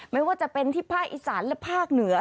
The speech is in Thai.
ไม่ว่าจะเป็นที่ภาคอีสานและภาคเหนือ